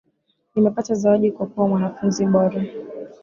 Nimepata zawadi kwa kuwa mwanafunzi bora